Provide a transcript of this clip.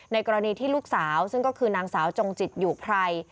กรณีที่ลูกสาวซึ่งก็คือนางสาวจงจิตอยู่ไพร